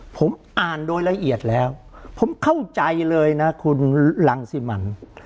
ผมอ่านโดยละเอียดแล้วผมเข้าใจเลยนะคุณรังสิมัน